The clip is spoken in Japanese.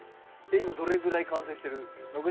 えっ今どれぐらい完成してるんですか？